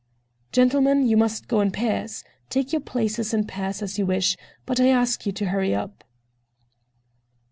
"Gentlemen, you must go in pairs. Take your places in pairs as you wish, but I ask you to hurry up."